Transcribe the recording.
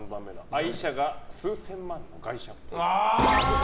愛車が数千万円の外車っぽい。